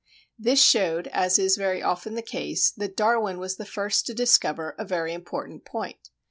This showed, as is very often the case, that Darwin was the first to discover a very important point.